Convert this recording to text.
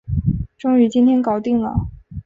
终于今天搞定了